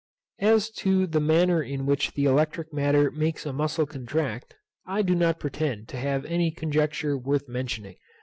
As to the manner in which the electric matter makes a muscle contract, I do not pretend to have any conjecture worth mentioning.